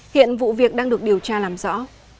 hiện vụ việc đang được điều tra làm rõ